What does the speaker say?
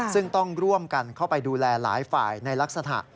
ซึ่งต้องร่วมกันเข้าไปดูแลหลายฝ่ายในลักษณะ